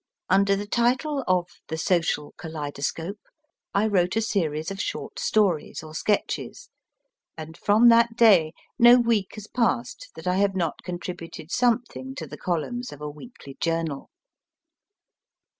Under the title of The Social Kaleidoscope/ I wrote a series of short stories or sketches, and from that day no week has passed 90 MY FIRST BOOK that I have not contributed something to the columns of a weekly journal.